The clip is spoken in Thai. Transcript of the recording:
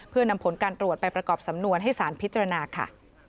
เพื่อนำผลการตรวจไปประกอบสำนวนให้สารพิจารณาค่ะ